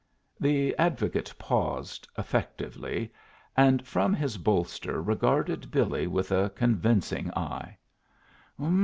The advocate paused, effectively, and from his bolster regarded Billy with a convincing eye.